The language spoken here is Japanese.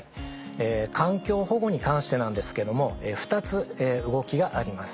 環境保護に関してなんですけども２つ動きがあります。